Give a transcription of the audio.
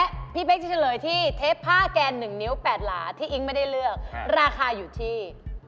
และพี่เป๊กจะเฉลยที่เทปผ้าแกน๑นิ้ว๘หลาที่อิ๊งไม่ได้เลือกราคาอยู่ที่